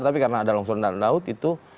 tapi karena ada longsoran di bawah laut itu